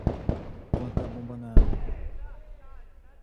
Planta a bomba na A